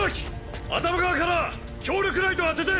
頭側から強力ライト当てて。